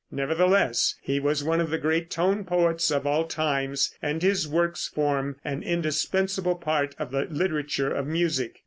Nevertheless, he was one of the great tone poets of all times, and his works form an indispensable part of the literature of music.